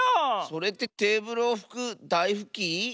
それってテーブルをふくだいふき？